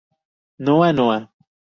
Noa Noa.